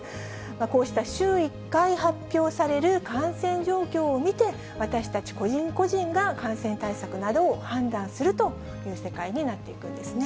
こうした週１回発表される感染状況を見て、私たち個人個人が感染対策などを判断するという世界になっていくんですね。